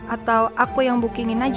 atau aku yang booking hotel